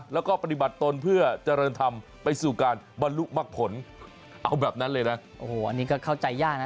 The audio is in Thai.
แล้วก็ปฏิบัติตนเพื่อเจริญธรรมไปสู่การบรรลุมักผลเอาแบบนั้นเลยนะโอ้โหอันนี้ก็เข้าใจยากนะ